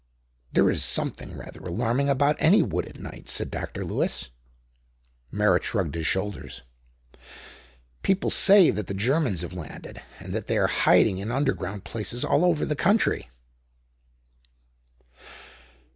"There is something rather alarming about any wood at night," said Dr. Lewis. Merritt shrugged his shoulders. "People say that the Germans have landed, and that they are hiding in underground places all over the country."